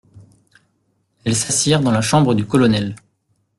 Elles s'assirent dans la chambre du colonel.